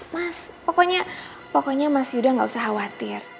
mas pokoknya mas yuda gak usah khawatir